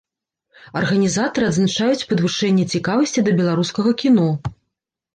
Арганізатары адзначаюць падвышэнне цікавасці да беларускага кіно.